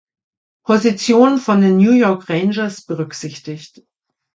Position von den New York Rangers berücksichtigt.